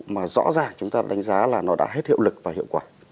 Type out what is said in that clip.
mà rõ ràng chúng ta đánh giá là nó đã hết hiệu lực và hiệu quả